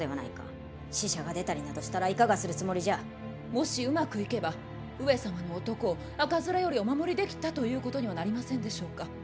もしうまくいけば上様の男を赤面よりお守りできたということにはなりませんでしょうか。